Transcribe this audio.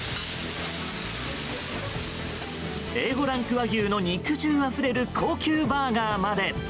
Ａ５ランク和牛の肉汁あふれる高級バーガーまで。